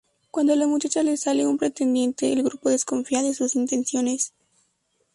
Cuando a la muchacha le sale un pretendiente, el grupo desconfía de sus intenciones.